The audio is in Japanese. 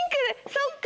そっか。